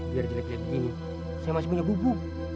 biar jelek jelek begini saya masih punya bubuk